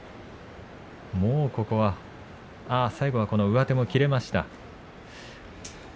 もうここは最後は左上手も切れました。